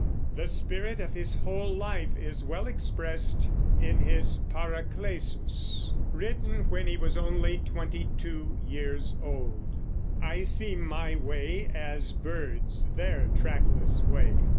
The spirit of his whole life is well expressed in his Paracelsus, written when he was only twenty two years old: I see my way as birds their trackless way.